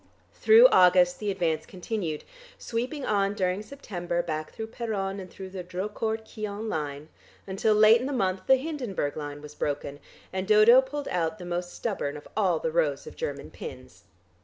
Through August the advance continued, sweeping on during September back through Peronne, and through the Drocourt Quéant line, until late in the month the Hindenburg line was broken, and Dodo pulled out the most stubborn of all the rows of German pins.